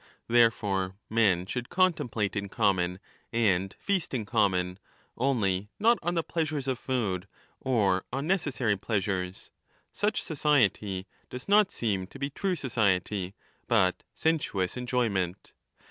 Therefore men 5 should contemplate in common and feast in common, only not on the pleasures of food or on necessary pleasures ; such society does not * seem to be true society, but sensuous en joyment.